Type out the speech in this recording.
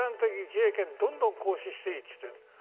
自衛権どんどん行使していいと言っている。